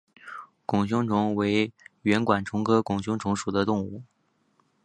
拱胸虫为圆管虫科拱胸虫属的动物。